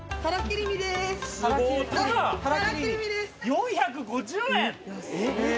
４５０円！